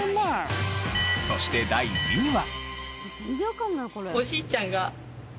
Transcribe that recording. そして第２位は。